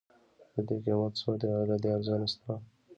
ددې قيمت څو دی؟ ايا له دې ارزان شته؟